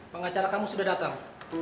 pengacara kamu sudah datang